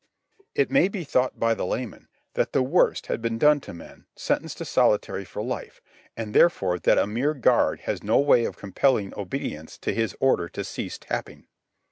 It may be thought by the layman that the worst has been done to men sentenced to solitary for life, and therefore that a mere guard has no way of compelling obedience to his order to cease tapping.